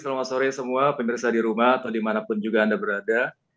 selamat sore semua pemirsa di rumah atau dimanapun juga anda berada